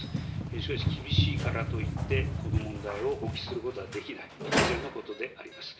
しかし、厳しいからといって、この問題を放棄することはできない、当然のことであります。